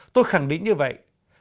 tôi khẳng định như vậy